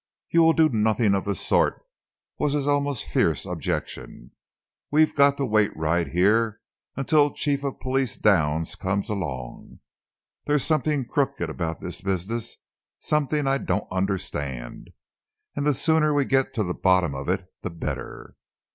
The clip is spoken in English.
"You will do nothing of the sort," was his almost fierce objection. "We've got to wait right here until Chief of Police Downs comes along. There's something crooked about this business, something I don't understand, and the sooner we get to the bottom of it, the better."